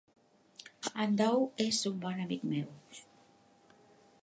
En Doug és un bon amic meu.